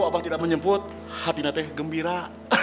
abang tidak menjemput hati hati gembira